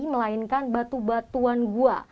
melainkan batu batuan gua